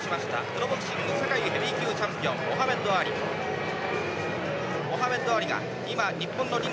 プロボクシング世界ヘビー級チャンピオン、モハメド・アリ。